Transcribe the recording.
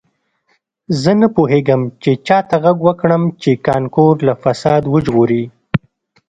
زه نه پوهیږم چې چا ته غږ وکړم چې کانکور له فساد وژغوري